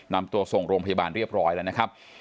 นำตัวส่งโรงพยาบาลเรียบร้อยแล้วนะครับ